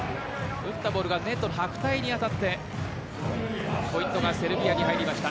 打ったボールがネットの白帯に当たってポイントがセルビアに入りました。